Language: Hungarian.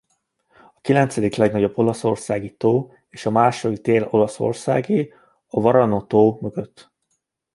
A kilencedik legnagyobb olaszországi tó és a második dél-olaszországi a Varano-tó mögött.